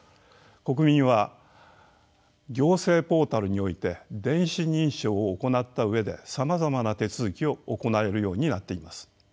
国民は行政ポータルにおいて電子認証を行った上でさまざまな手続きを行えるようになっています。